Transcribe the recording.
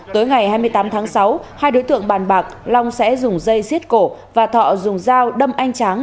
tối ngày hai mươi tám tháng sáu hai đối tượng bàn bạc long sẽ dùng dây xiết cổ và thọ dùng dao đâm anh tráng